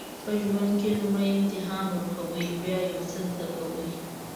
په ژوند کې لومړی امتحان ورکوئ بیا یو څه زده کوئ.